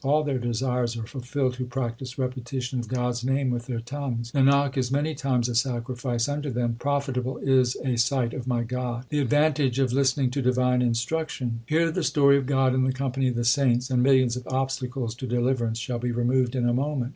All their desires are fulfilled, Who practise repetition of God s name with their tongues. Nanak is many times a sacrifice unto them Profitable is a sight of my God. HYMNS OF GURU ARJAN 147 The advantage of listening to divine instruction : Hear the story of God in the company of the saints, And millions of obstacles to deliverance shall be removed in a moment.